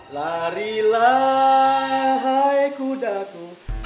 larilah hai kudaku